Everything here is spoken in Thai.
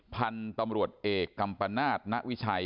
พันธุ์ตำรวจเอกกัมปนาศณวิชัย